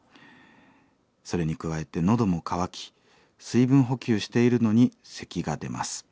それに加えて喉も渇き水分補給しているのにせきが出ます。